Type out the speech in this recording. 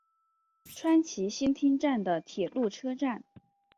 川崎新町站的铁路车站。